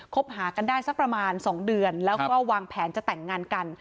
หากันได้สักประมาณ๒เดือนแล้วก็วางแผนจะแต่งงานกัน